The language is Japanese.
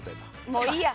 もういいや！